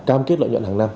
cam kết lợi nhuận hàng năm